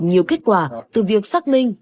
nhiều kết quả từ việc xác minh